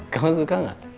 kamu suka nggak